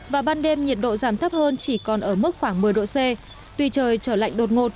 và ban đêm nhiệt độ giảm thấp hơn chỉ còn ở mức khoảng một mươi độ c tuy trời trở lạnh đột ngột